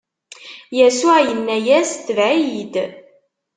Yasuɛ inna-as: Tbeɛ-iyi-d!